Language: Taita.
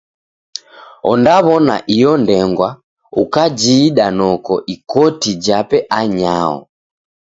Ondaw'ona iyo ndengwa, ukajida noko ikoti jape anyaho.